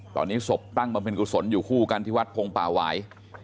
ตอนนี้ศพตั้งบำเพ็ญกุศลอยู่คู่กันที่วัดพงป่าหวาย